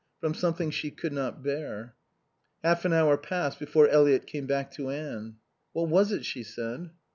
From something she could not bear. Half an hour passed before Eliot came back to Anne. "What was it?" she said.